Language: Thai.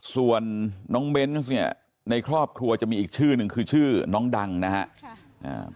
ส่วนน้องเบนส์เนี่ยในครอบครัวจะมีอีกชื่อหนึ่งคือชื่อน้องดังนะครับ